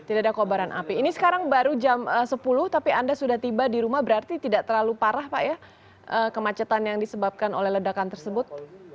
tidak ada kobaran api ini sekarang baru jam sepuluh tapi anda sudah tiba di rumah berarti tidak terlalu parah pak ya kemacetan yang disebabkan oleh ledakan tersebut